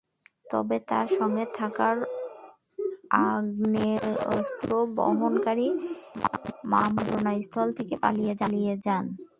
তবে তাঁদের সঙ্গে থাকা আগ্নেয়াস্ত্র বহনকারী মামুন ঘটনাস্থল থেকে পালিয়ে যান।